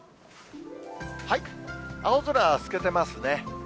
青空が透けてますね。